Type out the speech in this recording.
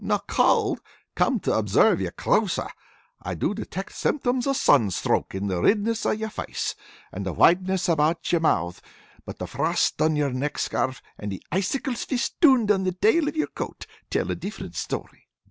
"No cauld! Come to observe you closer, I do detect symptoms of sunstroke in the ridness of your face, and the whiteness about your mouth; but the frost on your neck scarf, and the icicles fistooned around the tail of your coat, tell a different story.